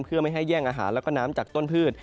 เพื่อไม่ให้แย่งอาหารแล้วก็น้ำจากต้นพืช